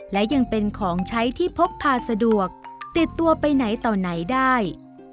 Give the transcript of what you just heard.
และยังเป็นของใช้ที่พกพาสะดวกติดตัวไปไหนต่อไหนได้